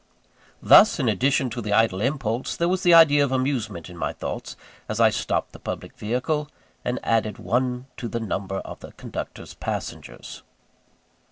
Thus, in addition to the idle impulse, there was the idea of amusement in my thoughts, as I stopped the public vehicle, and added one to the number of the conductor's passengers.